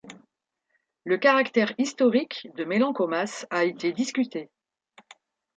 Le caractère historique de Mélancomas a été discuté.